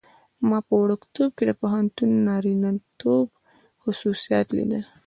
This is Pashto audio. ما په وړکتوب کې د پښتون نارینتوب خصوصیات لیدلي.